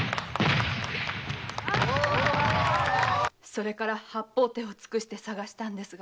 それから八方手を尽くして捜したんですが。